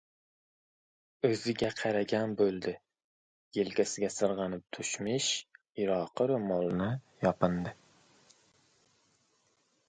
O‘ziga qaragan bo‘ldi: yelkasiga sirg‘anib tushmish iroqi ro‘molini yopindi.